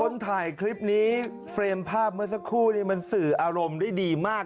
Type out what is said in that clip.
คนถ่ายคลิปนี้เฟรมภาพเมื่อสักครู่นี้มันสื่ออารมณ์ได้ดีมาก